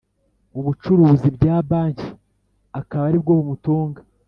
ubucuruzi bya banki akaba ari bwo bumutunga